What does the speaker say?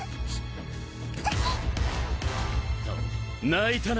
泣いたな？